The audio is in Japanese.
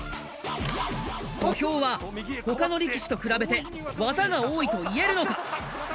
小兵は他の力士と比べて技が多いと言えるのか？